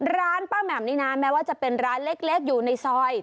ร้านป้าแหม่มนี่นะแม้ว่าจะเป็นร้านเล็กอยู่ในซอย